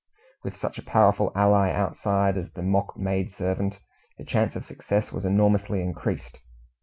With such a powerful ally outside as the mock maid servant, the chance of success was enormously increased.